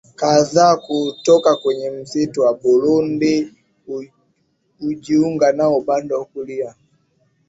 kadhaa kutoka kwenye misitu ya Burundi hujiunga nao upande wa kulia